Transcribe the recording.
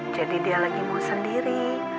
jadi dia lagi mau sendiri